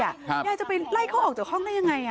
ยายจะไปไล่เขาออกจากห้องได้ยังไง